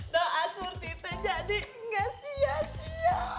doa sur tite jadi gak sia sia